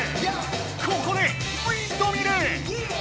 ここでウインドミル！